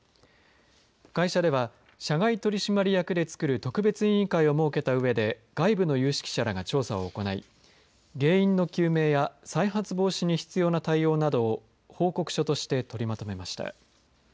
会社では社外取締役でつくる特別委員会を設けたうえで外部の有識者らが調査を行い原因の究明や再発防止に必要な対応などを報告書として取りまとめました。